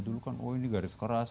dulu kan oh ini garis keras